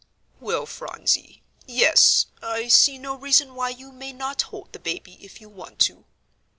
"Well, Phronsie yes I see no reason why you may not hold the baby if you want to."